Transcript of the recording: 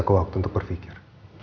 ada waktu untuk berfikir